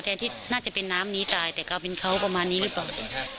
ที่น่าจะเป็นน้ำนี้ตายแต่กลายเป็นเขาประมาณนี้หรือเปล่า